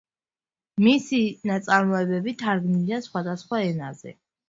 მისი ნაწარმოებები თარგმნილია სხვადასხვა ენაზე.